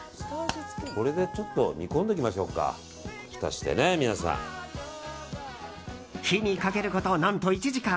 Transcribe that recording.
これでちょっと煮込んでおきましょうか火にかけること何と１時間。